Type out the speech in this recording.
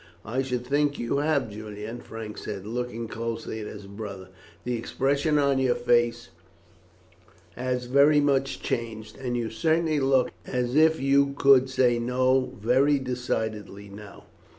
"I should think you have, Julian," Frank said, looking closely at his brother. "The expression of your face has very much changed, and you certainly look as if you could say 'No' very decidedly now."